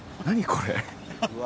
これ。